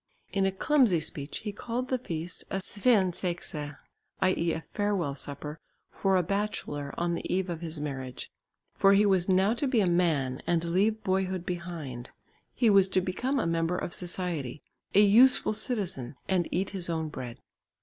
In a clumsy speech he called the feast a "svensexa," i.e. a farewell supper for a bachelor on the eve of his marriage, for he was now to be a man and leave boyhood behind; he was to become a member of society, a useful citizen and eat his own bread.